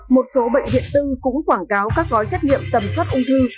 một số bệnh viện tư cũng quảng cáo các gói xét nghiệm tầm soát ung thư